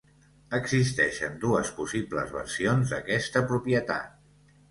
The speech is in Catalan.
Existeixen dues possibles versions d'aquesta propietat.